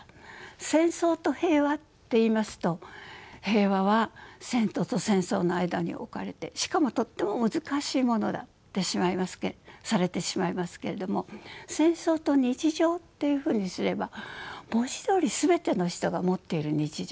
「戦争と平和」っていいますと平和は戦争と戦争の間に置かれてしかもとっても難しいものだってされてしまいますけれども「戦争と日常」っていうふうにすれば文字どおり全ての人が持っている日常。